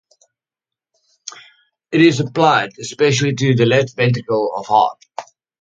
It is applied especially to the left ventricle of heart.